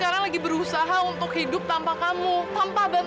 apa yang kamu lakukan di luar sendiri